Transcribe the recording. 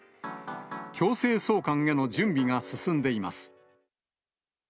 強制送還への準備が進んでいます。